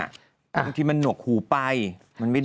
บางทีมันหนวกหูไปมันไม่ได้